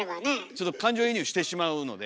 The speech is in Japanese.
ちょっと感情移入してしまうので。